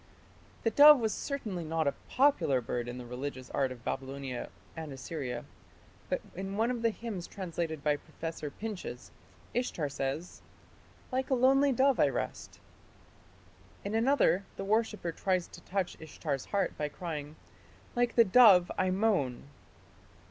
The dove was certainly not a popular bird in the religious art of Babylonia and Assyria, but in one of the hymns translated by Professor Pinches Ishtar says, "Like a lonely dove I rest". In another the worshipper tries to touch Ishtar's heart by crying, "Like the dove I moan".